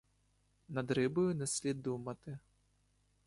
Над рибою не слід думати.